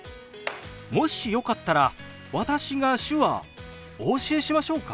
もしよかったら私が手話お教えしましょうか？